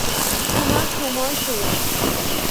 তোমার সময় শেষ।